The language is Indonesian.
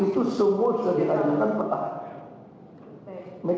itu semua sudah diadukan petak